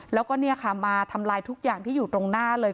แล้วก็เนี่ยค่ะมาทำลายทุกอย่างที่อยู่ตรงหน้าเลย